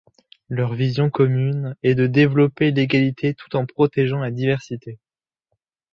Leur vision commune est de développer l'égalité tout en protégeant la diversité.